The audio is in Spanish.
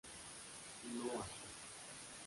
No aquí.